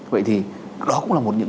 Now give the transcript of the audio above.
vậy thì đó cũng là một